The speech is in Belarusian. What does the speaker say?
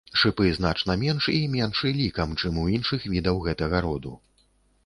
Шыпы значна менш і меншы лікам, чым у іншых відаў гэтага роду.